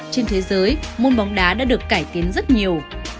trên thế giới môn bóng đá đã được cải tiến rất nhiều